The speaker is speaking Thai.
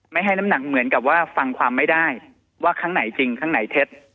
ให้น้ำหนักเหมือนกับว่าฟังความไม่ได้ว่าครั้งไหนจริงครั้งไหนเท็จ